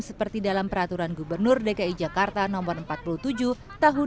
seperti dalam peraturan gubernur dki jakarta no empat puluh tujuh tahun dua ribu dua puluh